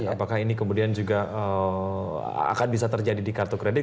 apakah ini kemudian juga akan bisa terjadi di kartu kredit